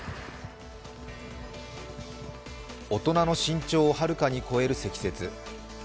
大人の身長をはるかに超える積雪。